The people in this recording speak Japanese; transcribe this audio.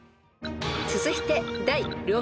［続いて］